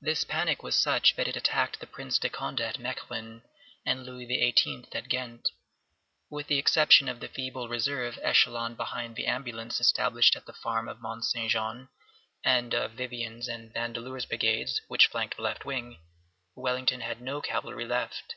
This panic was such that it attacked the Prince de Condé at Mechlin, and Louis XVIII. at Ghent. With the exception of the feeble reserve echelonned behind the ambulance established at the farm of Mont Saint Jean, and of Vivian's and Vandeleur's brigades, which flanked the left wing, Wellington had no cavalry left.